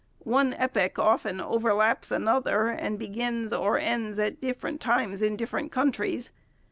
One epoch often overlaps another and begins or ends at different times in different countries.